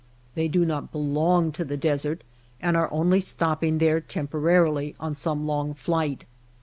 They do not belong to the desert and are only stopping there temporarily on some long flight.